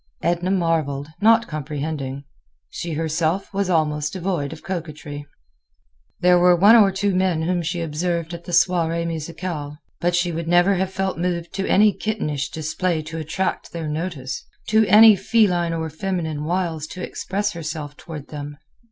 Edna marveled, not comprehending. She herself was almost devoid of coquetry. There were one or two men whom she observed at the soirée musicale; but she would never have felt moved to any kittenish display to attract their notice—to any feline or feminine wiles to express herself toward them.